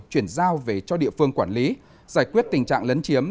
chuyển giao về cho địa phương quản lý giải quyết tình trạng lấn chiếm